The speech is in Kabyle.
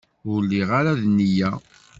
Ur lliɣ ara d nniya.